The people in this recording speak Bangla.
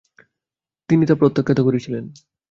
তিনি তা প্রত্যাখ্যান করেছিলেন।